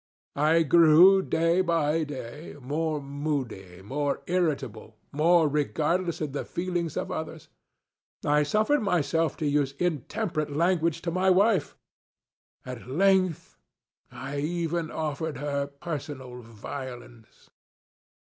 I grew, day by day, more moody, more irritable, more regardless of the feelings of others. I suffered myself to use intemperate language to my wife. At length, I even offered her personal violence.